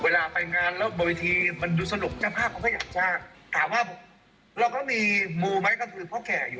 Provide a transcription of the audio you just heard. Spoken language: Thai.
แล้วก็นำถืออมภท้าวเวศอะไรอย่างนี้ครับ